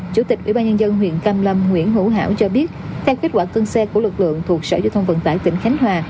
chủ tịch ubnd huyện cam lâm nguyễn hữu hảo cho biết theo kết quả cân xe của lực lượng thuộc sở giao thông vận tải tỉnh khánh hòa